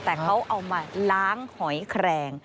แต่เขาเอามาล้างหอยแครง